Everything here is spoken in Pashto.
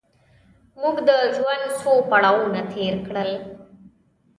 موږ د ژوند څو پړاوونه تېر کړل.